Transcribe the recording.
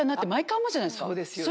そうですよね。